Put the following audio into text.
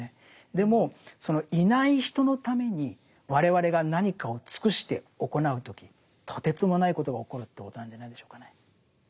でもそのいない人のために我々が何かを尽くして行う時とてつもないことが起こるということなんじゃないでしょうかね。